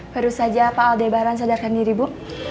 baru saja pak aldebaran sadarkan diri bu